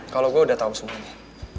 kalau gue udah tahu semuanya